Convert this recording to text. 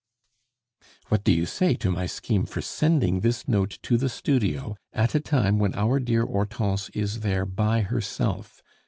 "What do you say to my scheme for sending this note to the studio at a time when our dear Hortense is there by herself?"